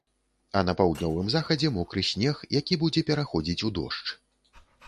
А на паўднёвым захадзе мокры снег, які будзе пераходзіць у дождж.